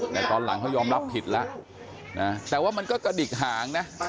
แต่ตอนหลังเขายอมรับผิดแล้วนะแต่ว่ามันก็กระดิกหางนะ